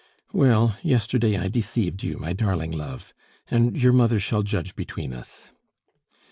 "Well, yesterday I deceived you, my darling love; and your mother shall judge between us."